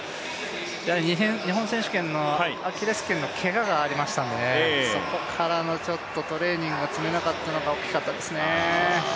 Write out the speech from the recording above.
日本選手権のアキレス腱のけががありましたので、そこからのトレーニングがちょっと積めなかったのが惜しかったですね。